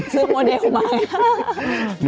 ซื้อโมเดลของมัน